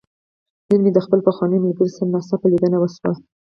نن مې د خپل پخواني ملګري سره ناڅاپه ليدنه وشوه.